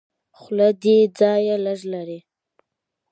خو له دې ځایه لږ لرې.